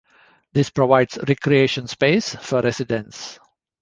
This provides recreation space for residents.